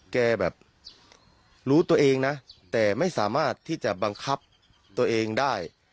แกแบบรู้ตัวเองนะแต่ไม่สามารถที่จะบังคับตัวเองได้